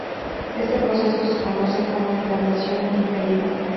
Este proceso se conoce como "implantación diferida.